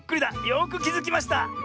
よくきづきました！